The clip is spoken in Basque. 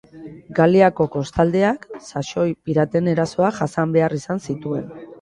Galiako kostaldeak saxoi piraten erasoak jasan behar izan zituen.